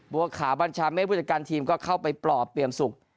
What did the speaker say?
บัวขาวบัญชาเมฆผู้จัดการทีมก็เข้าไปปลอบเปรียมสุข